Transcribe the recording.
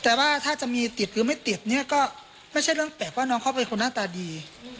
แต่ว่าถ้าจะมีติดหรือไม่ติดเนี่ยก็ไม่ใช่เรื่องแปลกว่าน้องเขาเป็นคนหน้าตาดี